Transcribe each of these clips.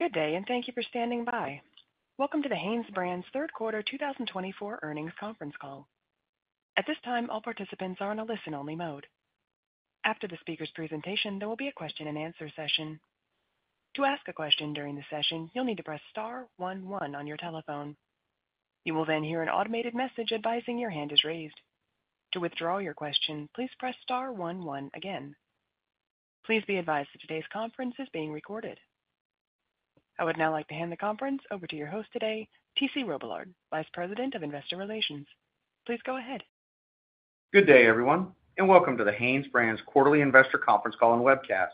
Good day, and thank you for standing by. Welcome to the HanesBrands third quarter 2024 earnings conference call. At this time, all participants are in a listen-only mode. After the speaker's presentation, there will be a Q&A session. To ask a question during the session, you'll need to press star one one on your telephone. You will then hear an automated message advising your hand is raised. To withdraw your question, please press star one one again. Please be advised that today's conference is being recorded. I would now like to hand the conference over to your host today, T.C. Robillard, Vice President of Investor Relations. Please go ahead. Good day, everyone, and welcome to the HanesBrands quarterly investor conference call and webcast.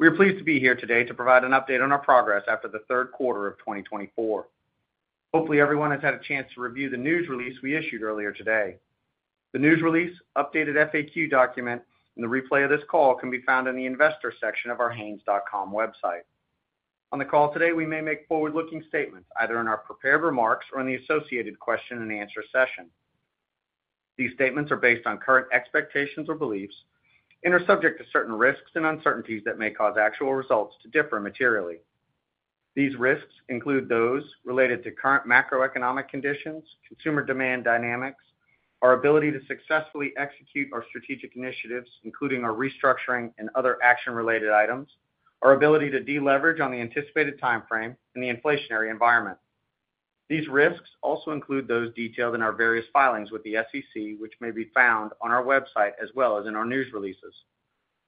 We are pleased to be here today to provide an update on our progress after the third quarter of 2024. Hopefully, everyone has had a chance to review the news release we issued earlier today. The news release, updated FAQ document, and the replay of this call can be found in the investor section of our hanes.com website. On the call today, we may make forward-looking statements either in our prepared remarks or in the associated question-and-answer session. These statements are based on current expectations or beliefs and are subject to certain risks and uncertainties that may cause actual results to differ materially. These risks include those related to current macroeconomic conditions, consumer demand dynamics, our ability to successfully execute our strategic initiatives, including our restructuring and other action-related items, our ability to deleverage on the anticipated timeframe, and the inflationary environment. These risks also include those detailed in our various filings with the SEC, which may be found on our website as well as in our news releases.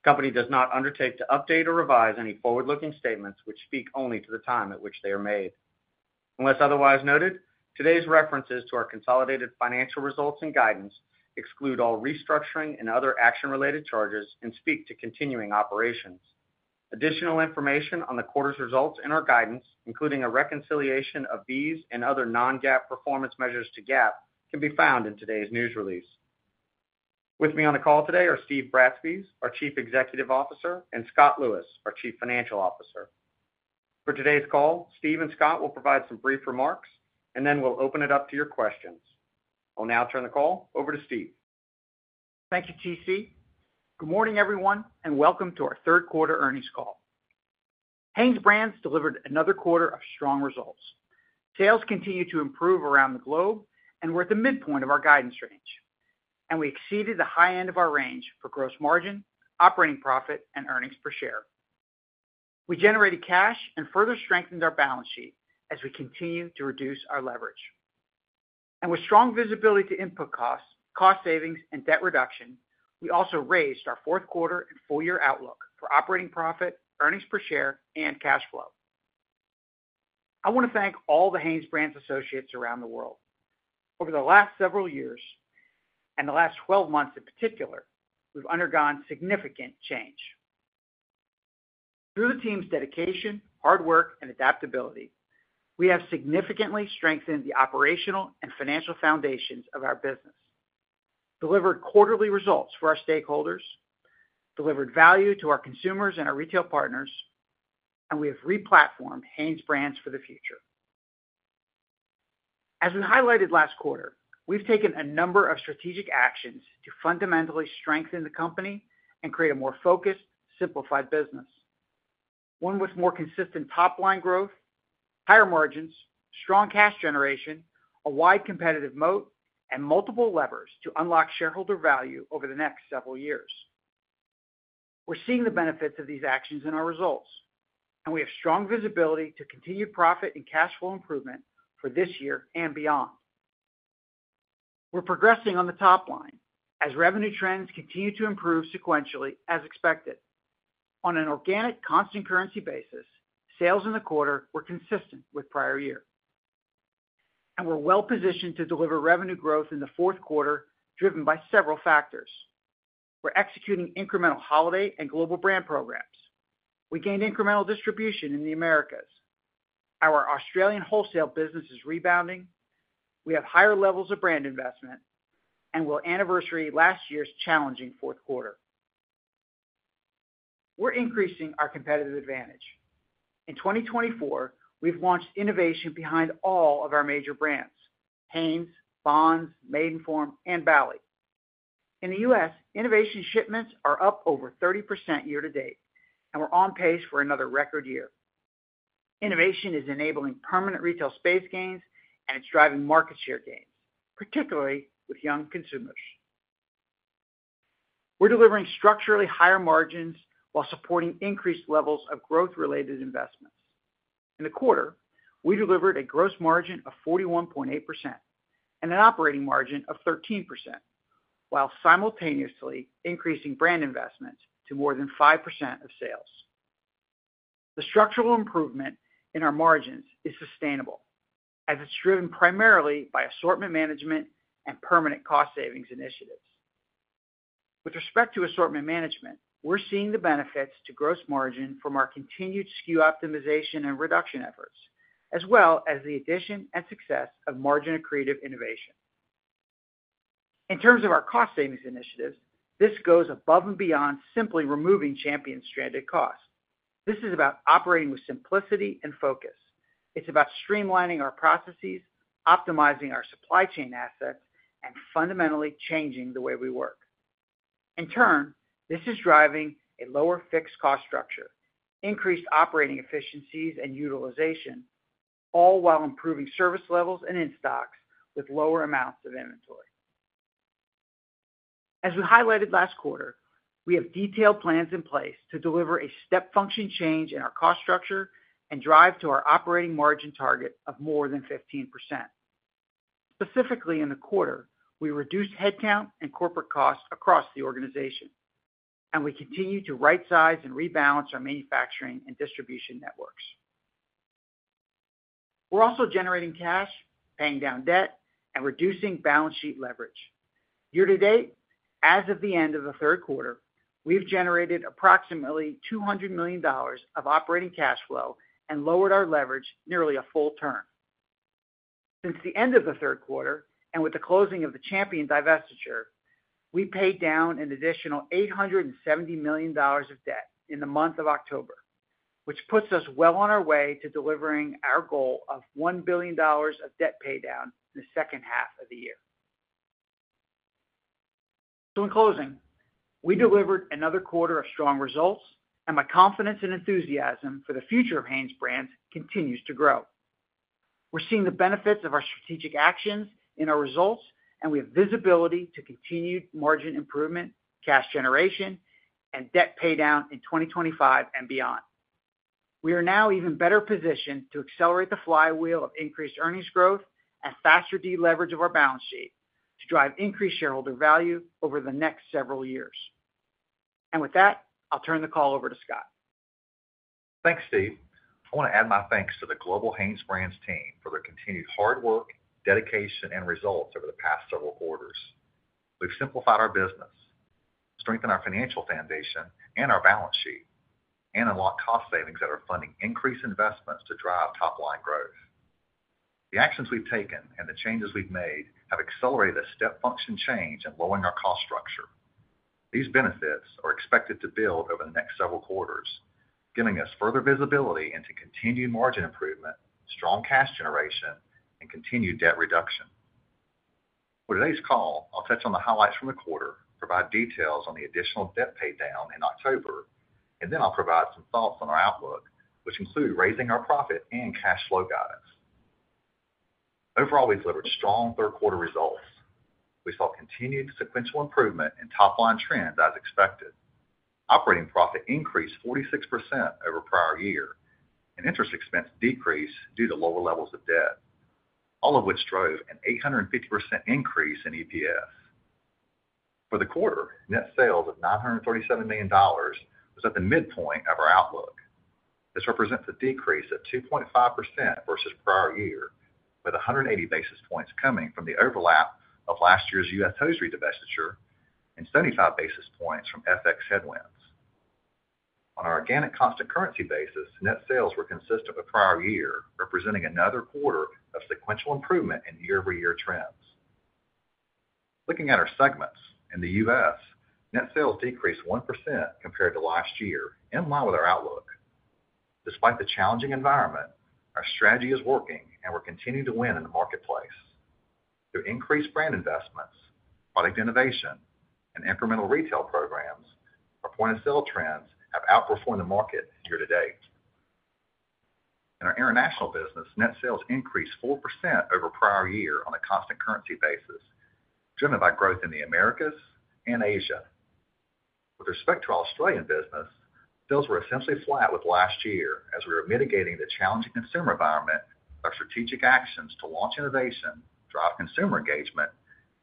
The company does not undertake to update or revise any forward-looking statements which speak only to the time at which they are made. Unless otherwise noted, today's references to our consolidated financial results and guidance exclude all restructuring and other action-related charges and speak to continuing operations. Additional information on the quarter's results and our guidance, including a reconciliation of these and other non-GAAP performance measures to GAAP, can be found in today's news release. With me on the call today are Steve Bratspies, our Chief Executive Officer, and Scott Lewis, our Chief Financial Officer. For today's call, Steve and Scott will provide some brief remarks, and then we'll open it up to your questions. I'll now turn the call over to Steve. Thank you, T.C. Good morning, everyone, and welcome to our third quarter earnings call. HanesBrands delivered another quarter of strong results. Sales continue to improve around the globe, and we're at the midpoint of our guidance range, and we exceeded the high end of our range for gross margin, operating profit, and earnings per share. We generated cash and further strengthened our balance sheet as we continue to reduce our leverage, and with strong visibility to input costs, cost savings, and debt reduction, we also raised our fourth quarter and full year outlook for operating profit, earnings per share, and cash flow. I want to thank all the HanesBrands associates around the world. Over the last several years and the last 12 months in particular, we've undergone significant change. Through the team's dedication, hard work, and adaptability, we have significantly strengthened the operational and financial foundations of our business, delivered quarterly results for our stakeholders, delivered value to our consumers and our retail partners, and we have replatformed HanesBrands for the future. As we highlighted last quarter, we've taken a number of strategic actions to fundamentally strengthen the company and create a more focused, simplified business, one with more consistent top-line growth, higher margins, strong cash generation, a wide competitive moat, and multiple levers to unlock shareholder value over the next several years. We're seeing the benefits of these actions in our results, and we have strong visibility to continued profit and cash flow improvement for this year and beyond. We're progressing on the top line as revenue trends continue to improve sequentially, as expected. On an organic, constant-currency basis, sales in the quarter were consistent with prior year. We're well-positioned to deliver revenue growth in the fourth quarter, driven by several factors. We're executing incremental holiday and global brand programs. We gained incremental distribution in the Americas. Our Australian wholesale business is rebounding. We have higher levels of brand investment and will anniversary last year's challenging fourth quarter. We're increasing our competitive advantage. In 2024, we've launched innovation behind all of our major brands: Hanes, Bonds, Maidenform, and Bali. In the U.S., innovation shipments are up over 30% year to date, and we're on pace for another record year. Innovation is enabling permanent retail space gains, and it's driving market share gains, particularly with young consumers. We're delivering structurally higher margins while supporting increased levels of growth-related investments. In the quarter, we delivered a gross margin of 41.8% and an operating margin of 13%, while simultaneously increasing brand investment to more than 5% of sales. The structural improvement in our margins is sustainable, as it's driven primarily by assortment management and permanent cost savings initiatives. With respect to assortment management, we're seeing the benefits to gross margin from our continued SKU optimization and reduction efforts, as well as the addition and success of margin-accretive innovation. In terms of our cost savings initiatives, this goes above and beyond simply removing Champion-stranded costs. This is about operating with simplicity and focus. It's about streamlining our processes, optimizing our supply chain assets, and fundamentally changing the way we work. In turn, this is driving a lower fixed cost structure, increased operating efficiencies, and utilization, all while improving service levels and in-stocks with lower amounts of inventory. As we highlighted last quarter, we have detailed plans in place to deliver a step-function change in our cost structure and drive to our operating margin target of more than 15%. Specifically, in the quarter, we reduced headcount and corporate costs across the organization, and we continue to right-size and rebalance our manufacturing and distribution networks. We're also generating cash, paying down debt, and reducing balance sheet leverage. Year to date, as of the end of the third quarter, we've generated approximately $200 million of operating cash flow and lowered our leverage nearly a full turn. Since the end of the third quarter and with the closing of the Champion divestiture, we paid down an additional $870 million of debt in the month of October, which puts us well on our way to delivering our goal of $1 billion of debt paydown in the second half of the year. So, in closing, we delivered another quarter of strong results, and my confidence and enthusiasm for the future of HanesBrands continues to grow. We're seeing the benefits of our strategic actions in our results, and we have visibility to continued margin improvement, cash generation, and debt paydown in 2025 and beyond. We are now even better positioned to accelerate the flywheel of increased earnings growth and faster deleverage of our balance sheet to drive increased shareholder value over the next several years. And with that, I'll turn the call over to Scott. Thanks, Steve. I want to add my thanks to the global HanesBrands team for their continued hard work, dedication, and results over the past several quarters. We've simplified our business, strengthened our financial foundation and our balance sheet, and unlocked cost savings that are funding increased investments to drive top-line growth. The actions we've taken and the changes we've made have accelerated a step-function change and lowering our cost structure. These benefits are expected to build over the next several quarters, giving us further visibility into continued margin improvement, strong cash generation, and continued debt reduction. For today's call, I'll touch on the highlights from the quarter, provide details on the additional debt paydown in October, and then I'll provide some thoughts on our outlook, which include raising our profit and cash flow guidance. Overall, we've delivered strong third-quarter results. We saw continued sequential improvement and top-line trends as expected. Operating profit increased 46% over prior year, and interest expense decreased due to lower levels of debt, all of which drove an 850% increase in EPS. For the quarter, net sales of $937 million was at the midpoint of our outlook. This represents a decrease of 2.5% versus prior year, with 180 basis points coming from the overlap of last year's Champion divestiture and 75 basis points from FX headwinds. On an organic, constant-currency basis, net sales were consistent with prior year, representing another quarter of sequential improvement in year-over-year trends. Looking at our segments in the U.S., net sales decreased 1% compared to last year, in line with our outlook. Despite the challenging environment, our strategy is working, and we're continuing to win in the marketplace. Through increased brand investments, product innovation, and incremental retail programs, our point-of-sale trends have outperformed the market year to date. In our international business, net sales increased 4% over prior year on a constant-currency basis, driven by growth in the Americas and Asia. With respect to our Australian business, sales were essentially flat with last year as we were mitigating the challenging consumer environment. Our strategic actions to launch innovation, drive consumer engagement,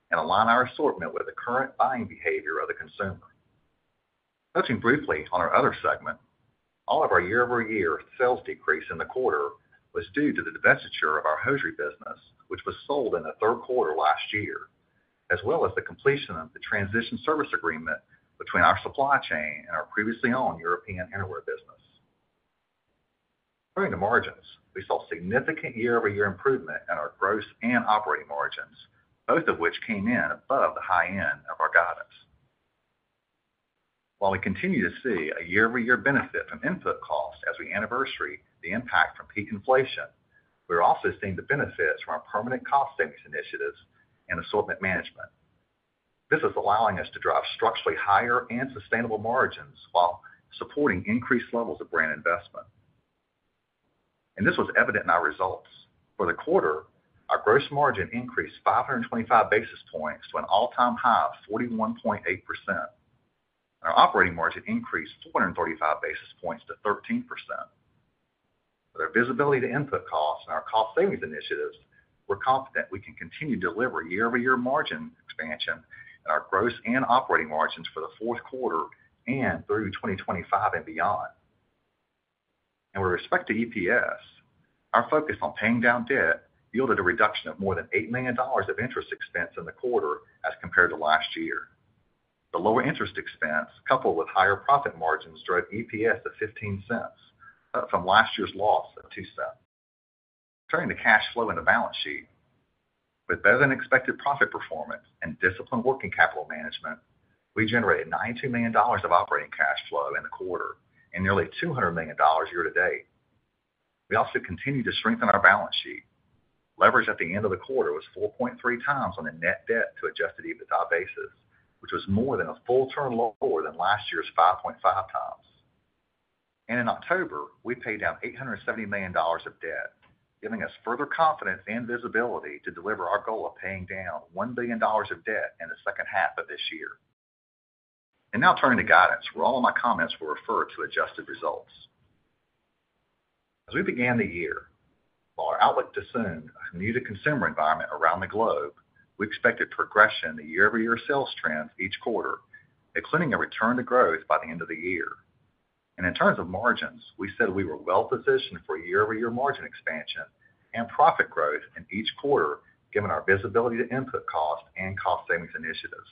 and align our assortment with the current buying behavior of the consumer. Touching briefly on our other segment, all of our year-over-year sales decrease in the quarter was due to the divestiture of our hosiery business, which was sold in the third quarter last year, as well as the completion of the transition service agreement between our supply chain and our previously owned European innerwear business. Turning to the margins, we saw significant year-over-year improvement in our gross and operating margins, both of which came in above the high end of our guidance. While we continue to see a year-over-year benefit from input costs as we anniversary the impact from peak inflation, we are also seeing the benefits from our permanent cost savings initiatives and assortment management. This is allowing us to drive structurally higher and sustainable margins while supporting increased levels of brand investment. And this was evident in our results. For the quarter, our gross margin increased 525 basis points to an all-time high of 41.8%. Our operating margin increased 435 basis points to 13%. With our visibility to input costs and our cost savings initiatives, we're confident we can continue to deliver year-over-year margin expansion in our gross and operating margins for the fourth quarter and through 2025 and beyond. And with respect to EPS, our focus on paying down debt yielded a reduction of more than $8 million of interest expense in the quarter as compared to last year. The lower interest expense, coupled with higher profit margins, drove EPS to $0.15, up from last year's loss of $0.02. Turning to cash flow and the balance sheet, with better-than-expected profit performance and disciplined working capital management, we generated $92 million of operating cash flow in the quarter and nearly $200 million year to date. We also continued to strengthen our balance sheet. Leverage at the end of the quarter was 4.3 times on the net debt to Adjusted EBITDA basis, which was more than a full turn lower than last year's 5.5 times. And in October, we paid down $870 million of debt, giving us further confidence and visibility to deliver our goal of paying down $1 billion of debt in the second half of this year. And now turning to guidance, where all of my comments will refer to adjusted results. As we began the year, while our outlook assumed a muted consumer environment around the globe, we expected progression in the year-over-year sales trends each quarter, including a return to growth by the end of the year, and in terms of margins, we said we were well-positioned for year-over-year margin expansion and profit growth in each quarter, given our visibility to input costs and cost savings initiatives.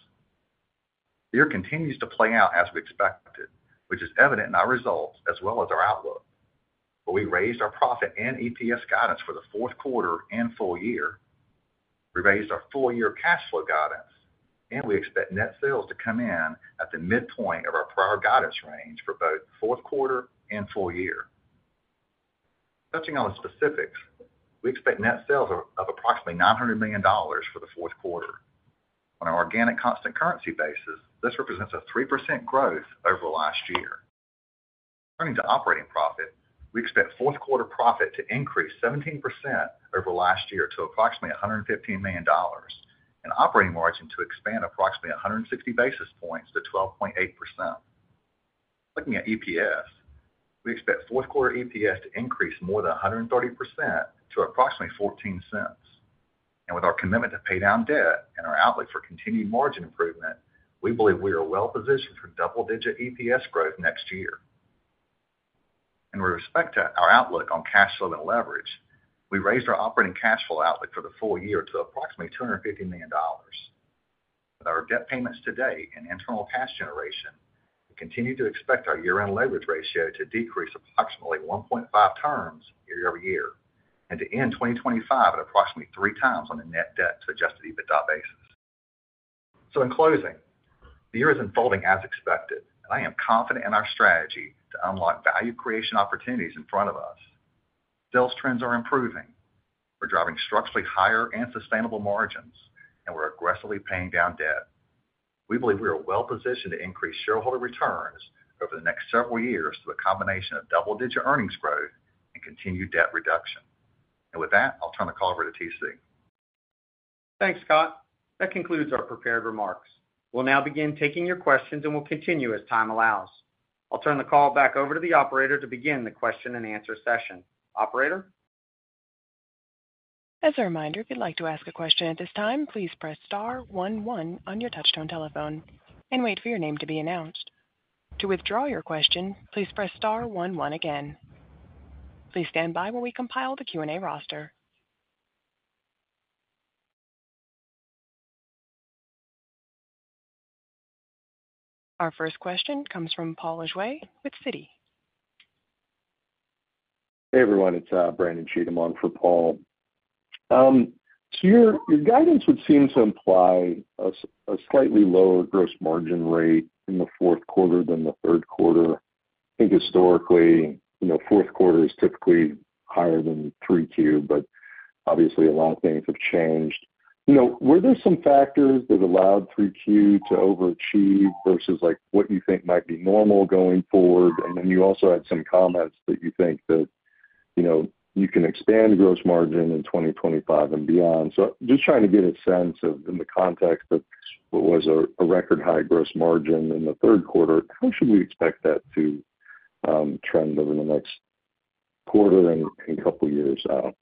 The year continues to play out as we expected, which is evident in our results as well as our outlook, but we raised our profit and EPS guidance for the fourth quarter and full year. We raised our full year cash flow guidance, and we expect net sales to come in at the midpoint of our prior guidance range for both the fourth quarter and full year. Touching on the specifics, we expect net sales of approximately $900 million for the fourth quarter. On an organic, constant-currency basis, this represents a 3% growth over the last year. Turning to operating profit, we expect fourth-quarter profit to increase 17% over last year to approximately $115 million and operating margin to expand approximately 160 basis points to 12.8%. Looking at EPS, we expect fourth-quarter EPS to increase more than 130% to approximately $0.14, and with our commitment to pay down debt and our outlook for continued margin improvement, we believe we are well-positioned for double-digit EPS growth next year. In respect to our outlook on cash flow and leverage, we raised our operating cash flow outlook for the full year to approximately $250 million. With our debt payments to date and internal cash generation, we continue to expect our year-end leverage ratio to decrease approximately 1.5x year-over-year and to end 2025 at approximately three times on the net debt to adjusted EBITDA basis. So, in closing, the year is unfolding as expected, and I am confident in our strategy to unlock value creation opportunities in front of us. Sales trends are improving. We're driving structurally higher and sustainable margins, and we're aggressively paying down debt. We believe we are well-positioned to increase shareholder returns over the next several years through a combination of double-digit earnings growth and continued debt reduction. And with that, I'll turn the call over to T.C. Thanks, Scott. That concludes our prepared remarks. We'll now begin taking your questions, and we'll continue as time allows. I'll turn the call back over to the operator to begin the Q&A session. Operator? As a reminder, if you'd like to ask a question at this time, please press star one one on your touch-tone telephone and wait for your name to be announced. To withdraw your question, please press star one one again. Please stand by while we compile the Q&A roster. Our first question comes from Paul Lejuez with Citi. Hey, everyone. It's Brandon Cheatham for Paul. Your guidance would seem to imply a slightly lower gross margin rate in the fourth quarter than the third quarter. I think historically, fourth quarter is typically higher than 3Q, but obviously, a lot of things have changed. Were there some factors that allowed 3Q to overachieve versus what you think might be normal going forward? And then you also had some comments that you think that you can expand gross margin in 2025 and beyond. So just trying to get a sense of, in the context of what was a record high gross margin in the third quarter, how should we expect that to trend over the next quarter and couple of years out?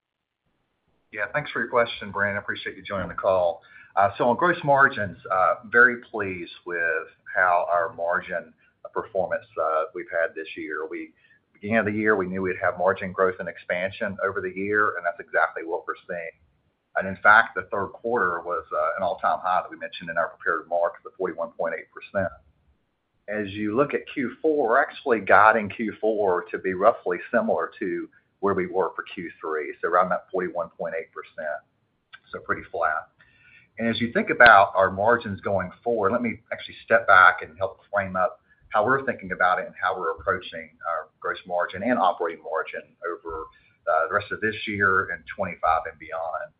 Yeah, thanks for your question, Brandon. I appreciate you joining the call. So, on gross margins, very pleased with how our margin performance we've had this year. We began the year, we knew we'd have margin growth and expansion over the year, and that's exactly what we're seeing. And in fact, the third quarter was an all-time high that we mentioned in our prepared remarks of 41.8%. As you look at Q4, we're actually guiding Q4 to be roughly similar to where we were for Q3, so around that 41.8%. So, pretty flat. And as you think about our margins going forward, let me actually step back and help frame up how we're thinking about it and how we're approaching our gross margin and operating margin over the rest of this year and 2025 and beyond.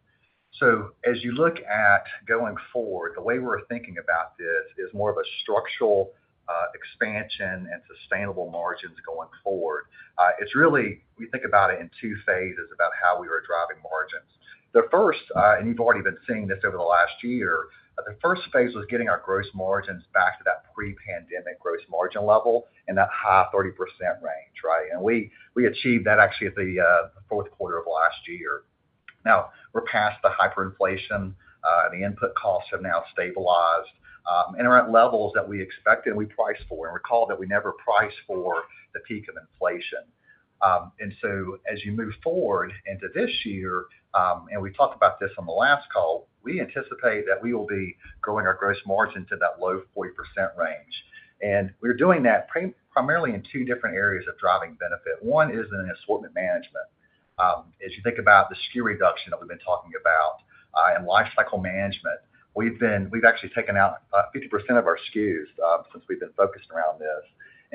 So, as you look at going forward, the way we're thinking about this is more of a structural expansion and sustainable margins going forward. It's really, we think about it in two phases about how we were driving margins. The first, and you've already been seeing this over the last year, the first phase was getting our gross margins back to that pre-pandemic gross margin level and that high 30% range, right? And we achieved that actually at the fourth quarter of last year. Now, we're past the hyperinflation, and the input costs have now stabilized and are at levels that we expected and we priced for. And recall that we never priced for the peak of inflation. As you move forward into this year, and we talked about this on the last call, we anticipate that we will be growing our gross margin to that low 40% range. We're doing that primarily in two different areas of driving benefit. One is in assortment management. As you think about the SKU reduction that we've been talking about and lifecycle management, we've actually taken out 50% of our SKUs since we've been focused around this.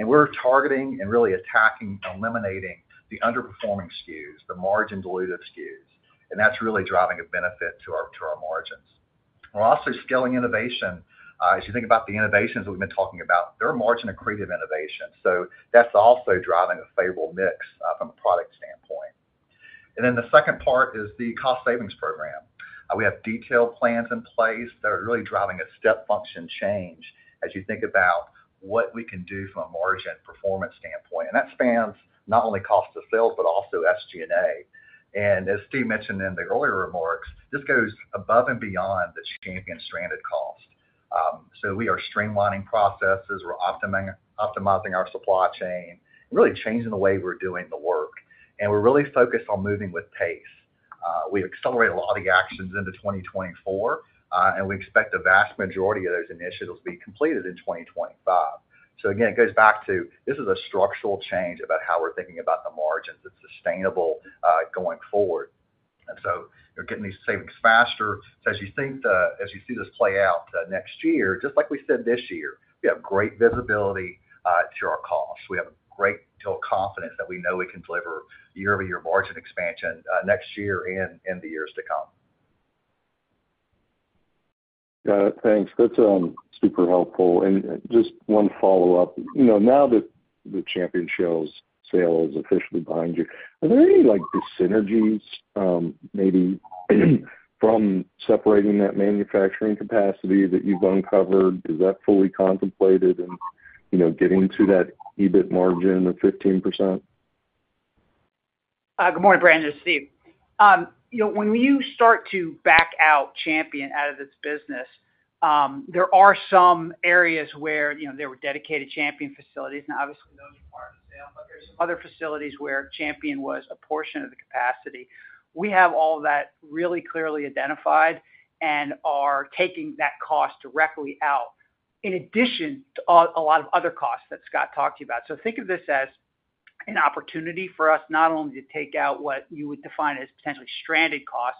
We're targeting and really attacking and eliminating the underperforming SKUs, the margin-dilutive SKUs, and that's really driving a benefit to our margins. We're also scaling innovation. As you think about the innovations we've been talking about, there are margin accretive innovations. That's also driving a favorable mix from a product standpoint. Then the second part is the cost savings program. We have detailed plans in place that are really driving a step function change as you think about what we can do from a margin performance standpoint, and that spans not only cost of sales, but also SG&A. And as Steve mentioned in the earlier remarks, this goes above and beyond the Champion-stranded cost, so we are streamlining processes. We're optimizing our supply chain, really changing the way we're doing the work, and we're really focused on moving with pace. We've accelerated a lot of the actions into 2024, and we expect the vast majority of those initiatives to be completed in 2025, so again, it goes back to this is a structural change about how we're thinking about the margins and sustainable going forward, and so you're getting these savings faster. So, as you see this play out next year, just like we said this year, we have great visibility to our costs. We have great confidence that we know we can deliver year-over-year margin expansion next year and in the years to come. Thanks. That's super helpful, and just one follow-up. Now that the Champion's sale is officially behind you, are there any synergies, maybe from separating that manufacturing capacity that you've uncovered? Is that fully contemplated in getting to that EBIT margin of 15%? Good morning, Brandon. This is Steve. When you start to back out Champion out of this business, there are some areas where there were dedicated Champion facilities, and obviously, those are part of the sale. But there are some other facilities where Champion was a portion of the capacity. We have all of that really clearly identified and are taking that cost directly out in addition to a lot of other costs that Scott talked to you about. So, think of this as an opportunity for us not only to take out what you would define as potentially stranded costs.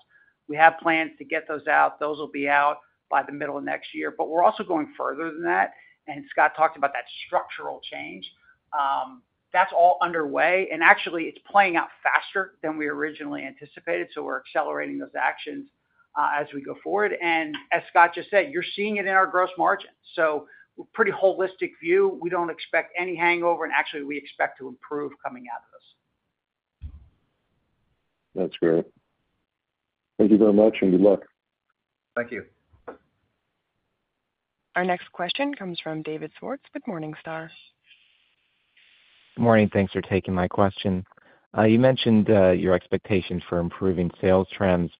We have plans to get those out. Those will be out by the middle of next year. But we're also going further than that. And Scott talked about that structural change. That's all underway. And actually, it's playing out faster than we originally anticipated. So, we're accelerating those actions as we go forward. And as Scott just said, you're seeing it in our gross margin. So, pretty holistic view. We don't expect any hangover, and actually, we expect to improve coming out of this. That's great. Thank you very much and good luck. Thank you. Our next question comes from David Swartz. Good morning, Scott. Good morning. Thanks for taking my question. You mentioned your expectations for improving sales trends.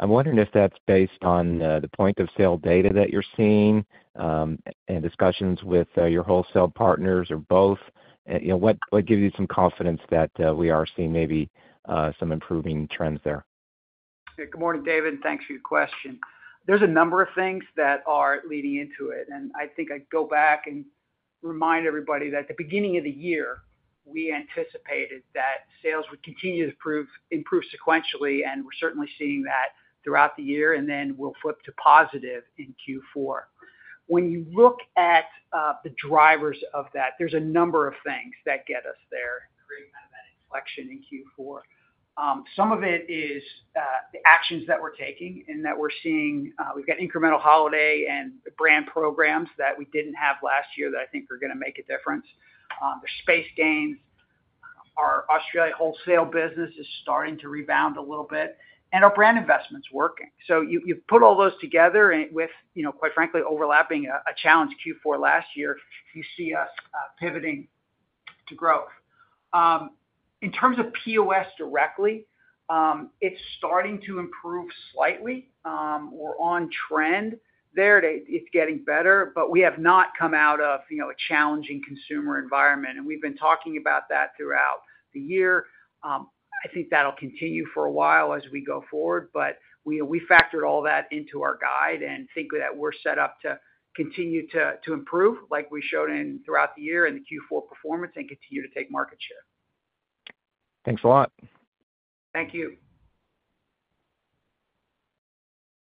I'm wondering if that's based on the point of sale data that you're seeing and discussions with your wholesale partners or both. What gives you some confidence that we are seeing maybe some improving trends there? Good morning, David. Thanks for your question. There's a number of things that are leading into it. And I think I'd go back and remind everybody that at the beginning of the year, we anticipated that sales would continue to improve sequentially, and we're certainly seeing that throughout the year, and then we'll flip to positive in Q4. When you look at the drivers of that, there's a number of things that get us there, kind of that inflection in Q4. Some of it is the actions that we're taking and that we're seeing. We've got incremental holiday and brand programs that we didn't have last year that I think are going to make a difference. There's space gains. Our Australian wholesale business is starting to rebound a little bit, and our brand investment's working. So, you put all those together with, quite frankly, over a challenging Q4 last year, you see us pivoting to growth. In terms of POS directly, it's starting to improve slightly. We're on trend there. It's getting better, but we have not come out of a challenging consumer environment. And we've been talking about that throughout the year. I think that'll continue for a while as we go forward, but we factored all that into our guide and think that we're set up to continue to improve like we showed throughout the year in the Q4 performance and continue to take market share. Thanks a lot. Thank you.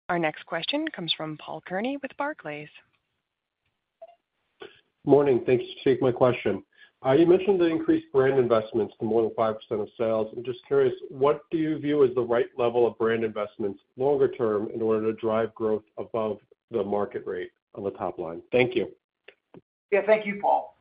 Our next question comes from Paul Kearney with Barclays. Morning. Thanks for taking my question. You mentioned the increased brand investments to more than 5% of sales. I'm just curious, what do you view as the right level of brand investments longer term in order to drive growth above the market rate on the top line? Thank you. Yeah, thank you, Paul.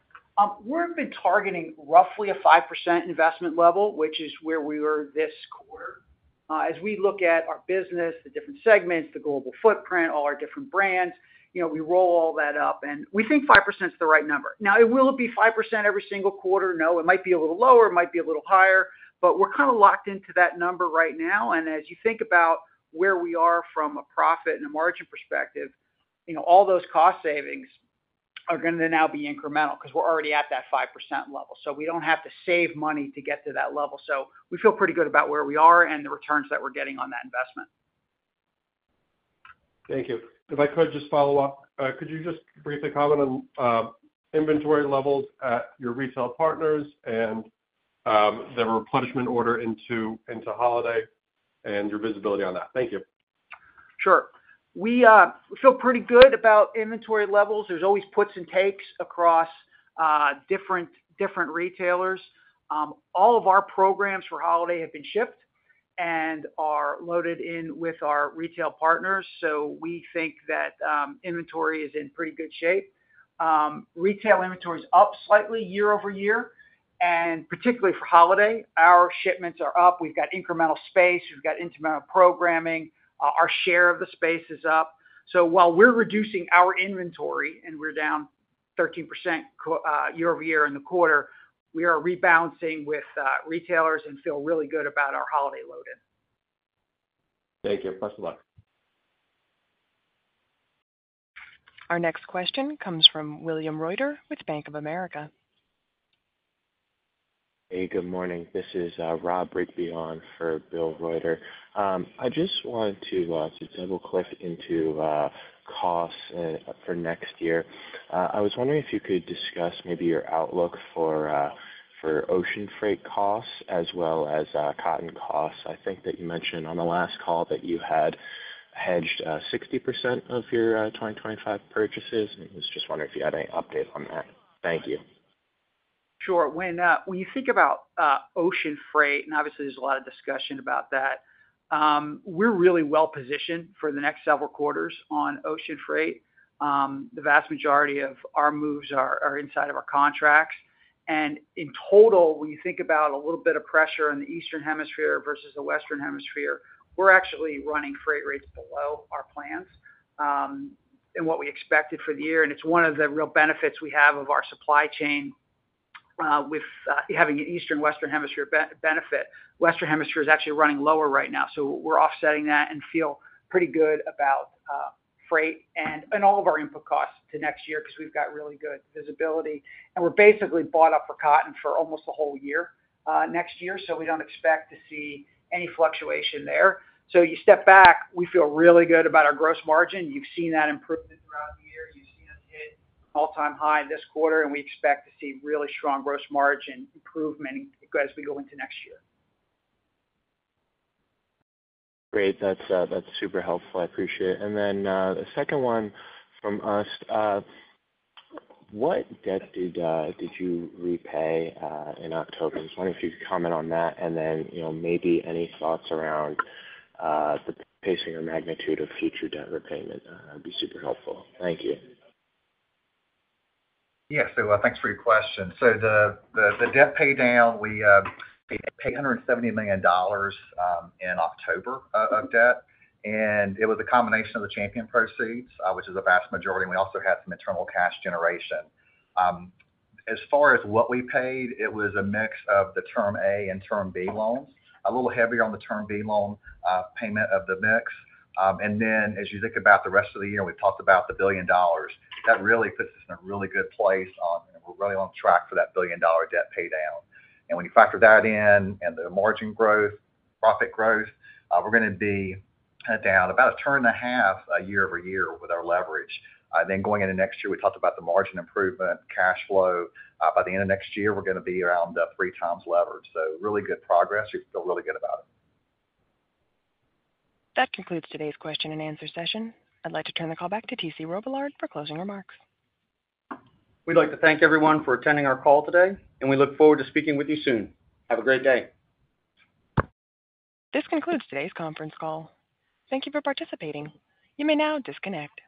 We've been targeting roughly a 5% investment level, which is where we were this quarter. As we look at our business, the different segments, the global footprint, all our different brands, we roll all that up, and we think 5% is the right number. Now, will it be 5% every single quarter? No, it might be a little lower, it might be a little higher, but we're kind of locked into that number right now. And as you think about where we are from a profit and a margin perspective, all those cost savings are going to now be incremental because we're already at that 5% level. So, we don't have to save money to get to that level. So, we feel pretty good about where we are and the returns that we're getting on that investment. Thank you. If I could just follow up, could you just briefly comment on inventory levels at your retail partners and the replenishment order into holiday and your visibility on that? Thank you. Sure. We feel pretty good about inventory levels. There's always puts and takes across different retailers. All of our programs for holiday have been shipped and are loaded in with our retail partners. So, we think that inventory is in pretty good shape. Retail inventory is up slightly year-over-year. And particularly for holiday, our shipments are up. We've got incremental space. We've got incremental programming. Our share of the space is up. So, while we're reducing our inventory and we're down 13% year-over-year in the quarter, we are rebalancing with retailers and feel really good about our holiday loading. Thank you. Best of luck. Our next question comes from William Reuter with Bank of America. Hey, good morning. This is Rob Rigby, on for Bill Reuter. I just wanted to double-click into costs for next year. I was wondering if you could discuss maybe your outlook for ocean freight costs as well as cotton costs. I think that you mentioned on the last call that you had hedged 60% of your 2025 purchases. I was just wondering if you had any update on that. Thank you. Sure. When you think about ocean freight, and obviously, there's a lot of discussion about that, we're really well-positioned for the next several quarters on ocean freight. The vast majority of our moves are inside of our contracts. And in total, when you think about a little bit of pressure in the Eastern Hemisphere versus the Western Hemisphere, we're actually running freight rates below our plans and what we expected for the year. And it's one of the real benefits we have of our supply chain with having an Eastern and Western Hemisphere benefit. Western Hemisphere is actually running lower right now. So, we're offsetting that and feel pretty good about freight and all of our input costs to next year because we've got really good visibility. And we're basically bought up for cotton for almost the whole year next year. So, we don't expect to see any fluctuation there. So, you step back, we feel really good about our gross margin. You've seen that improvement throughout the year. You've seen us hit an all-time high this quarter, and we expect to see really strong gross margin improvement as we go into next year. Great. That's super helpful. I appreciate it. And then the second one from us, what debt did you repay in October? I was wondering if you could comment on that and then maybe any thoughts around the pacing or magnitude of future debt repayment. That would be super helpful. Thank you. Yeah. So, thanks for your question. So, the debt paydown, we paid $170 million in October of debt. And it was a combination of the Champion proceeds, which is a vast majority, and we also had some internal cash generation. As far as what we paid, it was a mix of the Term A loan and Term B loan, a little heavier on the Term B loan payment of the mix. And then, as you think about the rest of the year, we've talked about the $1 billion. That really puts us in a really good place. We're really on track for that $1 billion debt paydown. And when you factor that in and the margin growth, profit growth, we're going to be down about a turn and a half year-over-year with our leverage. Then, going into next year, we talked about the margin improvement, cash flow. By the end of next year, we're going to be around three times leverage. So, really good progress. We feel really good about it. That concludes today's question and answer session. I'd like to turn the call back to T.C. Robillard for closing remarks. We'd like to thank everyone for attending our call today, and we look forward to speaking with you soon. Have a great day. This concludes today's conference call. Thank you for participating. You may now disconnect.